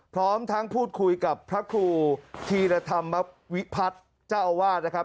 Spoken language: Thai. พร้อมทั้งพูดคุยกับพระครูธีรธรรมวิพัฒน์เจ้าอาวาสนะครับ